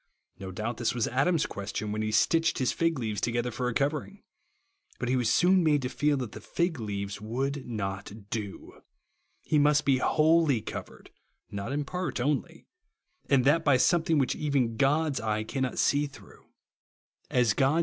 No doubt this was Adam's question when he stitched his fig leaves together for a covering. But he was soon made to feel that the fig leaves would not do. He must be ivholly covered, not in part only ; and that by something which even God's eye cannot see through. As God THE WORD OF THE TRUTH OF THE GOSrEL.